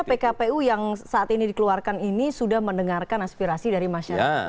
pkpu yang saat ini dikeluarkan ini sudah mendengarkan aspirasi dari masyarakat